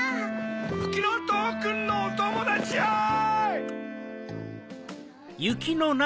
ふきのとうくんのおともだちやい！